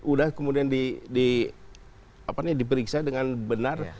udah kemudian diperiksa dengan benar